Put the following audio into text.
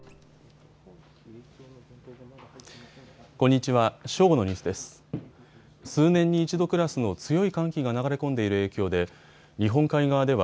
こんにちは。